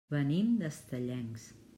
Venim d'Estellencs.